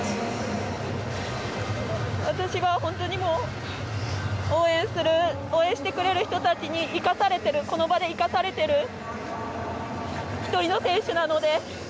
私は本当に応援してくれる人たちにこの場で生かされてる１人の選手なので。